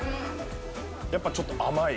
やっぱちょっと甘い。